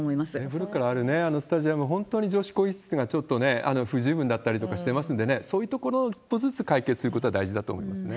古くからあるスタジアム、本当に女子更衣室が不十分だったりとかしてますんでね、そういうところを一歩ずつ解決することが大事だと思いますね。